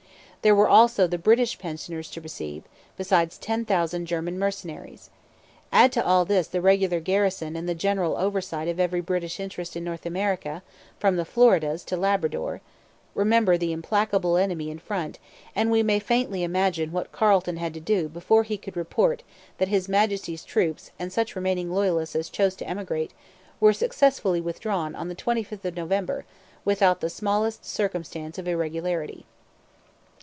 There were also the British prisoners to receive, besides ten thousand German mercenaries. Add to all this the regular garrison and the general oversight of every British interest in North America, from the Floridas to Labrador, remember the implacable enemy in front, and we may faintly imagine what Carleton had to do before he could report that 'His Majesty's troops and such remaining Loyalists as chose to emigrate were successfully withdrawn on the 25th [of November] without the smallest circumstance of irregularity.'